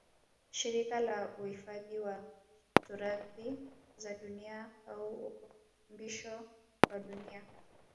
Shirika la Uifadhi wa turathi za dunia au ukumbushio wa Dunia